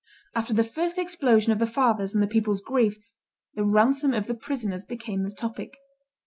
After the first explosion of the father's and the people's grief, the ransom of the prisoners became the topic.